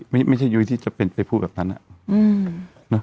ไม่ใช่ยุ้ยที่จะเป็นไปพูดแบบนั้น